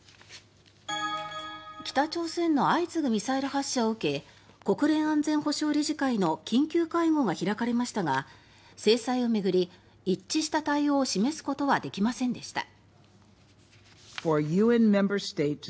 北朝鮮の相次ぐミサイル発射を受け国連安全保障理事会の緊急会合が開かれましたが制裁を巡り一致した対応を示すことはできませんでした。